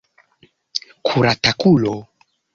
Kuratakulo!